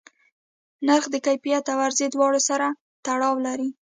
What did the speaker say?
نرخ د کیفیت او عرضه دواړو سره تړاو لري.